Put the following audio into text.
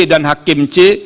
dan hakim c